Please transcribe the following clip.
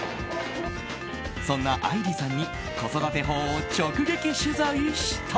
そんな愛梨さんに子育て法を直撃取材した。